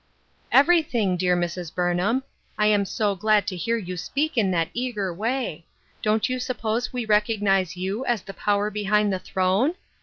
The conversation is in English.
"" Everything, dear Mrs. Burnham. I am so glad to hear you speak in that eager way. Don't you suppose we recognize you as the power behind the throne